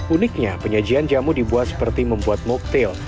uniknya penyajian jamu dibuat seperti membuat moktail